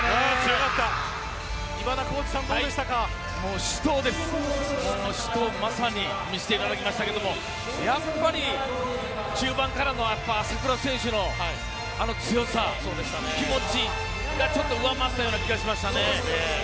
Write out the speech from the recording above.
まさに死闘を見せていただきましたがやっぱり中盤からの朝倉選手の強さ、そして気持ちが上回ったような気がしましたね。